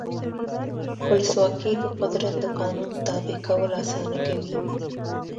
ولسواکي د قدرت د قانون تابع کول اسانه کوي.